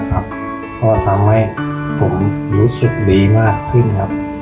ก็ทำให้ผมชุดดีมากขึ้น